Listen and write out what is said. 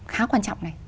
khá quan trọng này